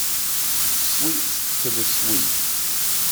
Sweets to the sweet